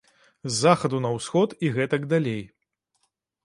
З захаду на ўсход і гэтак далей.